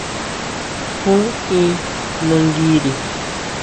¿Jú in nanguiri?